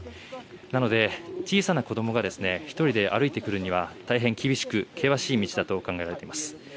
なので、小さな子どもが１人で歩いて来るには大変厳しく険しい道だと考えられています。